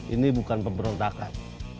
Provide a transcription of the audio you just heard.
ini bukan pemberontakan